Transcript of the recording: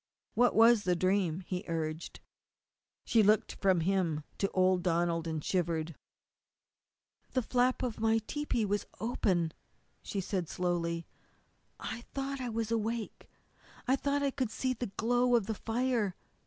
"What was the dream?" he urged. She looked from him to old Donald, and shivered. "The flap of my tepee was open," she said slowly. "I thought I was awake. I thought I could see the glow of the fire.